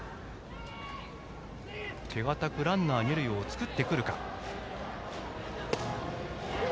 手堅くランナー、二塁を作ってくるか。